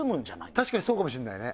確かにそうかもしんないね